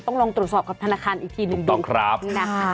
ต้องลองตรวจสอบกับธนาคารอีกทีนึงดูนะคะโปรดต่อครับ